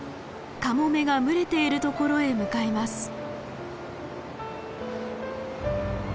カモメが群れている所へ向かいます。